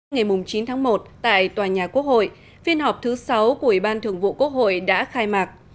ngày chín tháng một tại tòa nhà quốc hội phiên họp thứ sáu của ủy ban thường vụ quốc hội đã khai mạc